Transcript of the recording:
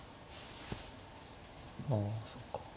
あそうか。